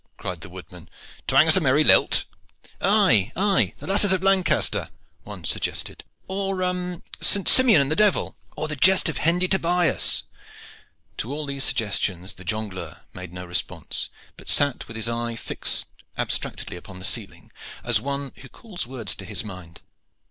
cried the woodmen. "Twang us a merry lilt." "Aye, aye, the 'Lasses of Lancaster,'" one suggested. "Or 'St. Simeon and the Devil.'" "Or the 'Jest of Hendy Tobias.'" To all these suggestions the jongleur made no response, but sat with his eye fixed abstractedly upon the ceiling, as one who calls words to his mind.